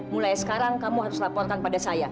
mulai sekarang kamu harus laporkan pada saya